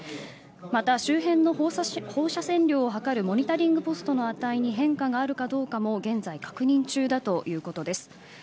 また、周辺の放射線量を測るモニタリングポストの値に変化があるかどうかも現在、確認中だということです。